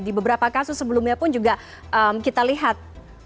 di beberapa kasus sebelumnya pun juga kita lihat